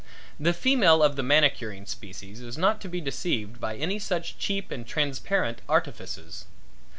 The female of the manicuring species is not to be deceived by any such cheap and transparent artifices.